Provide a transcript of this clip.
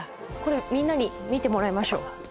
これみんなに見てもらいましょう。